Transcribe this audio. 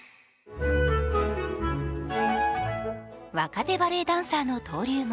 若手バレエダンサーの登竜門